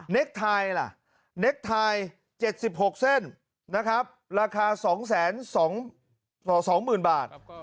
เน็กทายเน็กทาย๗๖เส้นราคา๒๒๐๐๐๐บาท